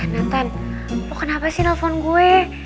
natan lu kenapa sih neurot gk